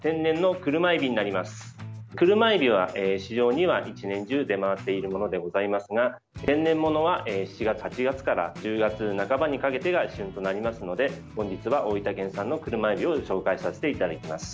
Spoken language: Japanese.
クルマエビは市場には１年中出回っているものでございますが天然物は７月、８月から１０月半ばにかけてが旬となりますので本日は、大分県産のクルマエビを紹介させていただきます。